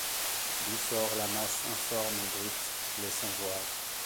D’où sort la masse informe et brute, laissant voir